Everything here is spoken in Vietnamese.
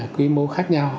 quy mô khác nhau